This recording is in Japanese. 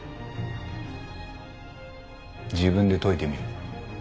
自分で解いてみろ。